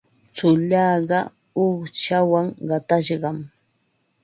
Tsullaaqa uuqshawan qatashqam.